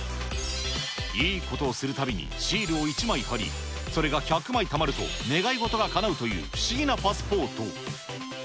いいことをするたびにシールを１枚貼り、それが１００枚たまると願い事がかなうという不思議なパスポート。